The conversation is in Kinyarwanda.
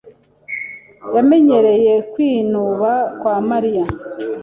yamenyereye kwinuba kwa Mariya.